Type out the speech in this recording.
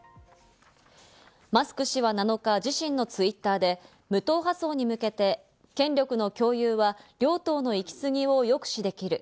マスク氏は７日、自身のＴｗｉｔｔｅｒで無党派層に向けて、権力の共有は両党の行き過ぎを抑止できる。